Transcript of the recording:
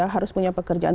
harus punya pekerjaan